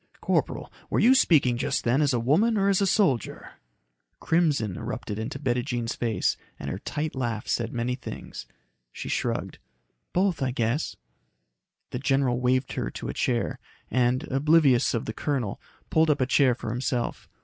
"Corporal, were you speaking just then as a woman or as a soldier?" Crimson erupted into Bettijean's face and her tight laugh said many things. She shrugged. "Both I guess." The general waved her to a chair and, oblivious of the colonel, pulled up a chair for himself.